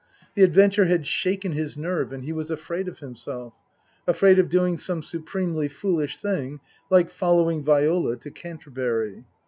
The adventure had shaken his nerve and he was afraid of himself, afraid of doing some supremely foolish thing like following Viola to Canterbury.